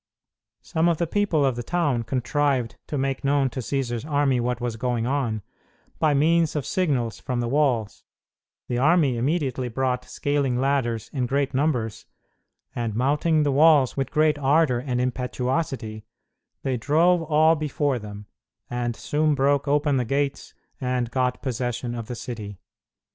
Some of the people of the town contrived to make known to Cćsar's army what was going on, by means of signals from the walls; the army immediately brought scaling ladders in great numbers, and, mounting the walls with great ardor and impetuosity, they drove all before them, and soon broke open the gates and got possession of the city.